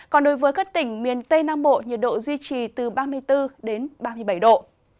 còn đối với các tỉnh miền tây nam bộ nhiệt độ duy trì từ ba mươi bốn đến ba mươi bảy độ